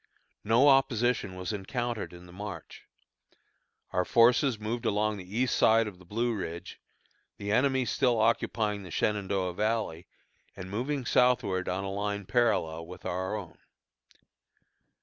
No opposition was encountered in the march. Our forces moved along the east side of the Blue Ridge, the enemy still occupying the Shenandoah Valley, and moving southward on a line parallel with our own.